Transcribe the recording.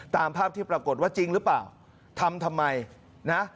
ตามภาพที่ปรากฏว่าจริงหรือเปล่าทำทำไมนะ